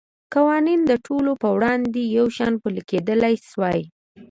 قوانین د ټولو په وړاندې یو شان پلی کېدای شوای.